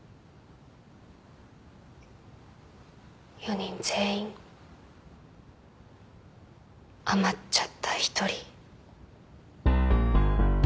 ４人全員余っちゃった１人。